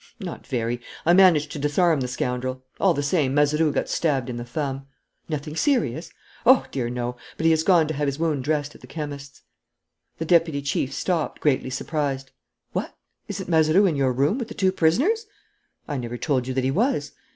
"Not very. I managed to disarm the scoundrel. All the same, Mazeroux got stabbed in the thumb." "Nothing serious?" "Oh, dear, no; but he has gone to have his wound dressed at the chemist's." The deputy chief stopped, greatly surprised. "What! Isn't Mazeroux in your room with the two prisoners?" "I never told you that he was."